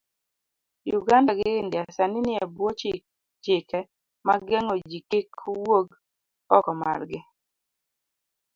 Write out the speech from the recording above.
Uganda gi India sani ni ebwo chike mag geng'o jikik wuog oko margi,